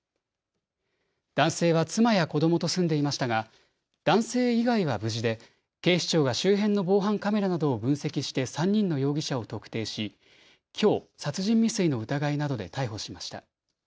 男性は妻や子どもと住んでいましたが男性以外は無事で警視庁が周辺の防犯カメラなどを分析して３人の容疑者を特定し、きょう殺人未遂の疑いなどで逮捕しました。